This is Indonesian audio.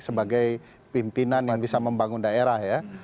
sebagai pimpinan yang bisa membangun daerah ya